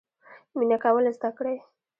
مینه کول زده کړئ